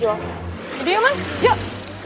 yaudah ya ma yuk